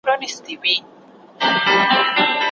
پراخه مطالعه تر کمې مطالعې په علمي کار کي ډېره ګټوره ده.